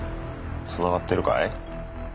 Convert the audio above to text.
つながってるかい？